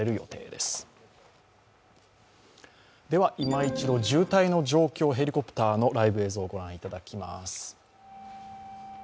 では、今一度、渋滞の状況、ヘリコプターのライブ映像ご覧いただきます。